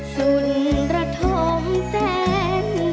สุนระธมเซ็น